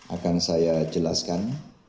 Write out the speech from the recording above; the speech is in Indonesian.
akan saya jelaskan